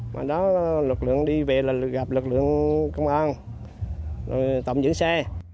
mà đó lực lượng đi về là gặp lực lượng công an rồi tạm giữ xe